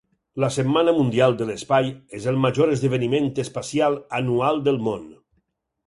La Setmana Mundial de l'Espai és el major esdeveniment espacial anual del món.